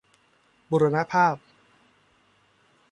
บูรณภาพ